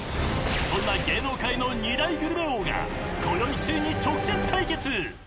［そんな芸能界の２大グルメ王がこよいついに直接対決！］